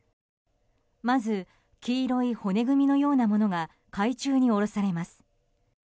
まず黄色い骨組みのようなものが海中に下ろされます。